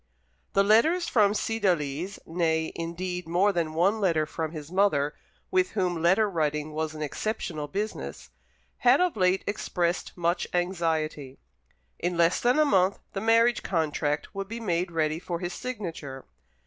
The letters from Cydalise nay, indeed, more than one letter from his mother, with whom letter writing was an exceptional business had of late expressed much anxiety. In less than a month the marriage contract would be made ready for his signature.